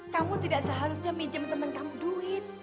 kamu tidak seharusnya minjem teman kamu duit